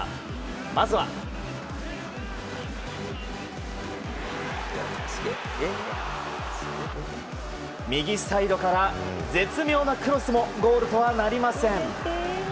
まずは、右サイドから絶妙なクロスもゴールとはなりません。